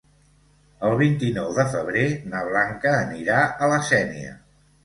El vint-i-nou de febrer na Blanca anirà a la Sénia.